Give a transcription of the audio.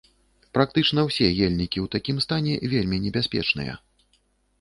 Практычна ўсе ельнікі ў такім стане вельмі небяспечныя.